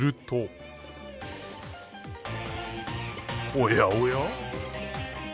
おやおや？